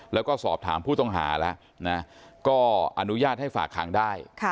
แล้วก็สอบถามผู้ต้องหาแล้วก็อนุญาตให้ฝากขังได้